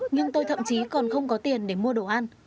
nhưng tôi thậm chí còn không có tiền để mua đồ ăn